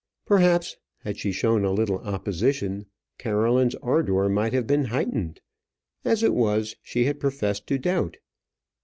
Perhaps, had she shown a little opposition, Caroline's ardour might have been heightened. As it was, she had professed to doubt.